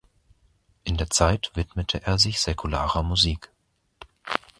In der Zeit widmete er sich säkularer Musik.